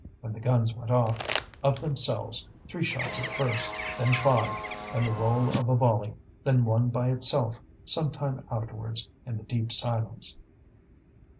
when the guns went off of themselves three shots at first, then five, then the roll of a volley, then one by itself, some time afterwards, in the deep silence.